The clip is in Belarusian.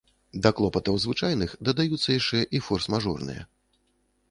Да клопатаў звычайных дадаюцца яшчэ і форс-мажорныя.